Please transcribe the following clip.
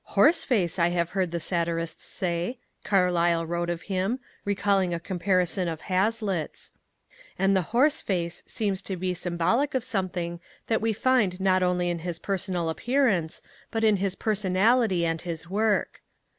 "'Horse face,' I have heard satirists say," Carlyle wrote of him, recalling a comparison of Hazlitt's; and the horse face seems to be symbolic of something that we find not only in his personal appearance, but in his personality and his work.